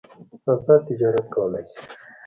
ازاد تجارت کولای شي.